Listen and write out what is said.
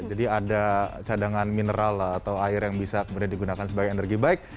ada cadangan mineral atau air yang bisa kemudian digunakan sebagai energi baik